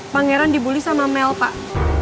pangeran dibully sama mel pak